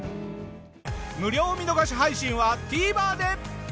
無料見逃し配信はＴＶｅｒで！